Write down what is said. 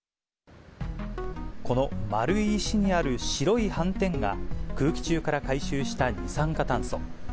この丸い石にある白い斑点が、空気中から回収した二酸化炭素。